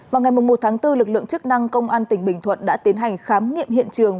vào ngày một tháng bốn lực lượng chức năng công an tỉnh bình thuận đã tiến hành khám nghiệm hiện trường